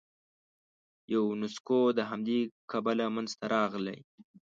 یونسکو د همدې کبله منځته راغلی.